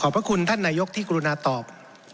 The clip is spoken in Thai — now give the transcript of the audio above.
พระคุณท่านนายกที่กรุณาตอบ